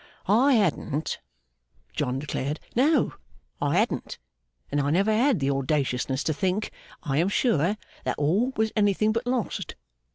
'I hadn't,' John declared, 'no, I hadn't, and I never had the audaciousness to think, I am sure, that all was anything but lost.